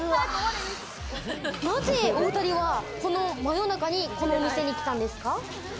なぜお２人はこの真夜中に、このお店に来たんですか？